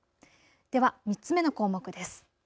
では３つ目の項目です。